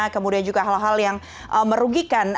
kemudian juga hal hal yang merugikan